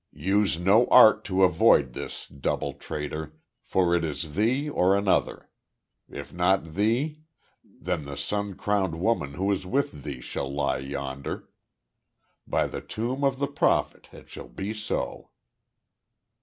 "Use no art to avoid this, double traitor, for it is thee or another. If not thee, then the sun crowned woman who is with thee shall lie yonder. By the tomb of the Prophet it shall be so."